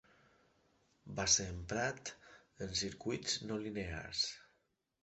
Va ser emprat en circuits no linears.